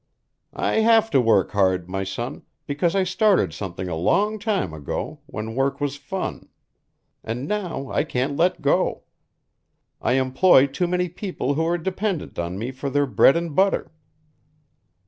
"I have to work hard, my son, because I started something a long time ago, when work was fun. And now I can't let go. I employ too many people who are dependent on me for their bread and butter.